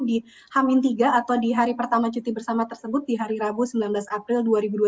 di hamin tiga atau di hari pertama cuti bersama tersebut di hari rabu sembilan belas april dua ribu dua puluh